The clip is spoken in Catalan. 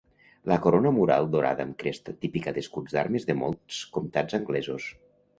La corona mural dorada amb cresta, típica d'escuts d'armes de molts comtats anglesos.